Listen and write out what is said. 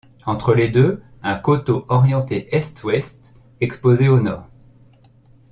Entre les deux, un coteau orienté est-ouest, exposé au nord.